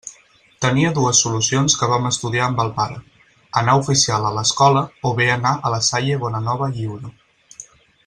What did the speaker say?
Tenia dues solucions que vam estudiar amb el pare: anar oficial a l'Escola o bé anar a la Salle Bonanova lliure.